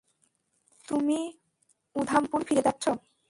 তুমি উধামপুর ফিরে যাচ্ছ।